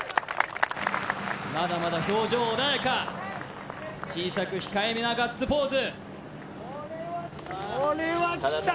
まだまだ表情穏やか小さく控えめなガッツポーズ